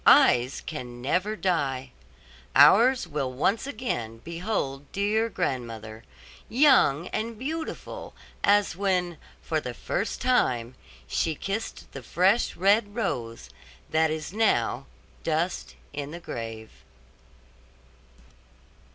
Eyes can never die. Ours will once again behold dear grandmother, young and beautiful as when, for the first time, she kissed the fresh, red rose, that is now dust in the grave.